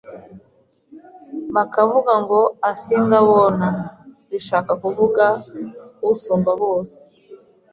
bakavuga ngo "Asinga bona" rishaka kuvuga "Usumba bose".